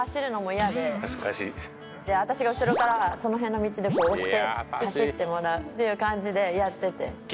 私が後ろからその辺の道でこう押して走ってもらうっていう感じでやってて。